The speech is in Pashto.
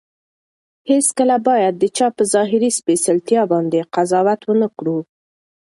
هیڅکله باید د چا په ظاهري سپېڅلتیا باندې قضاوت ونه کړو.